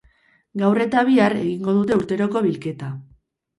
Gaur eta bihar egingo dute urteroko bilketa.